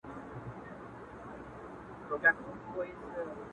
او د بت سترگي يې ښې ور اب پاشي کړې،